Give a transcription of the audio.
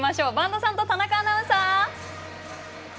播戸さんと田中アナウンサー！